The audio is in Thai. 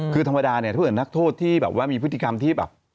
คือธรรมดาถ้าเกิดนักโทษที่มีพฤติกรรมที่แบบ